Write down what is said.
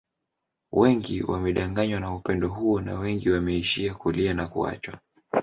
Wengi wamedanganywa na upendo huo na wengi wameishia kulia na kuachwa